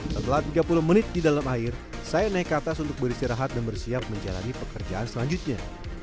setelah tiga puluh menit di dalam air saya naik ke atas untuk beristirahat dan bersiap menjalani pekerjaan selanjutnya